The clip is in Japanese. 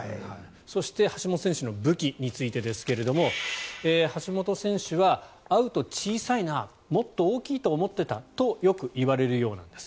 そして橋本選手の武器についてですが橋本選手は会うと小さいなもっと大きいと思っていたとよく言われるようなんです。